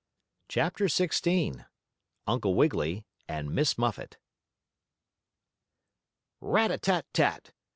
CHAPTER XVI UNCLE WIGGILY AND MISS MUFFET "Rat a tat tat!"